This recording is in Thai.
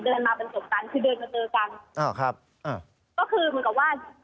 เดินมาเป็นศพกันคือเดินมาเจอกันอ้าวครับอ่าก็คือเหมือนกับว่า